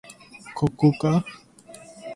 ここか